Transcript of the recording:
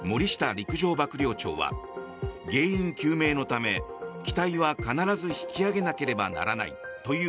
陸上幕僚長は原因究明のため機体は必ず引き揚げなければならないという